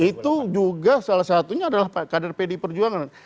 itu juga salah satunya adalah kader pdi perjuangan